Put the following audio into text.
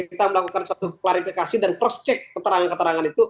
kita melakukan satu klarifikasi dan cross check keterangan keterangan itu